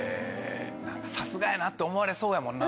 さすがやなって思われそうやもんな。